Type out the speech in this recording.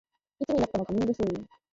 いつになってもカミングスーン